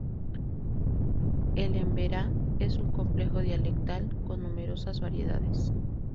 El emberá es un complejo dialectal con numerosas variedades.